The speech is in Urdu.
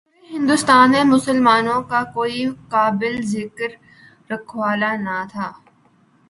پورے ہندوستان میں مسلمانوں کا کوئی قابل ذکر رکھوالا نہ تھا۔